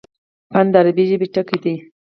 فن: د عربي ژبي ټکی دﺉ.